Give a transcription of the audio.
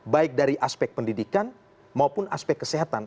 baik dari aspek pendidikan maupun aspek kesehatan